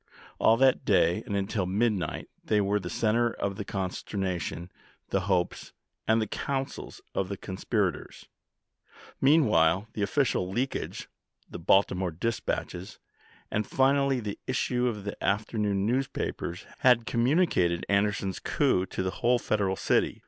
All that day and until midnight they were the center of the conster nation, the hopes, and the counsels of the conspir ators. Meanwhile the official leakage, the Baltimore dispatches, and finally the issue of the afternoon newspapers had communicated Anderson's coup to the whole Federal city.